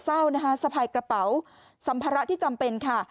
เศร้านะคะสะพายกระเป๋าสัมภาระที่จำเป็นค่ะ